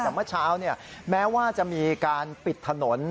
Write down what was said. แต่เมื่อเช้าแม้ว่าจะมีการปิดถนน